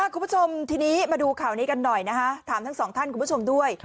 คุณผู้ชมทีนี้มาดูข่าวนี้กันหน่อยนะคะถามทั้งสองท่านคุณผู้ชมด้วย